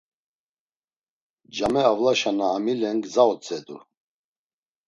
Came avlaşa na amilen gza otzedu.